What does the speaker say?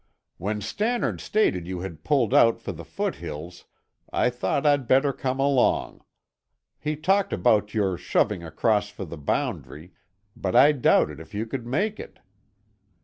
"When Stannard stated you had pulled out for the foothills I thought I'd better come along. He talked about your shoving across for the boundary, but I doubted if you could make it.